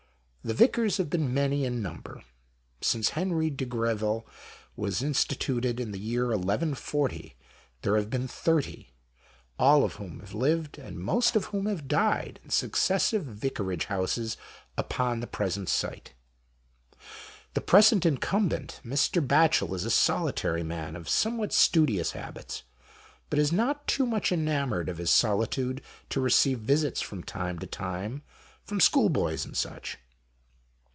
The Vicars have been many in number. Since Henry de Greville was instituted in the year 1140 there have been 30, all of whom have lived, and mpst of whom have died, in successive vicarage houses upon the present site. The present incumbent, Mr. Batchel, is a solitary man of somewhat studious habits, but is not too much enamoured of his solitude to receive visits, from time to time, from school boys and such.